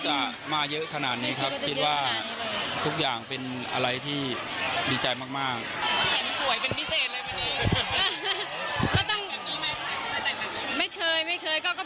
เพราะว่าผมจะชอบผู้หญิงที่เป็นธรรมชาติครับ